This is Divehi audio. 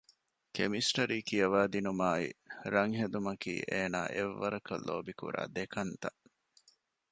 ކެމިސްޓަރީ ކިޔަވައިދިނުމާއި ރަންހެދުމަކީ އޭނާ އެއްވަރަކަށް ލޯބިކުރާ ދެކަންތައް